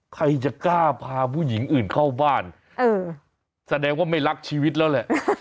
ใครจะกล้าพาผู้หญิงอื่นเข้าบ้านเออแสดงว่าไม่รักชีวิตแล้วแหละ